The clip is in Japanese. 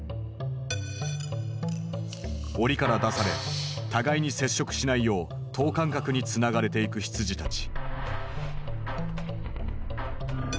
おりから出され互いに接触しないよう等間隔につながれていく羊たち。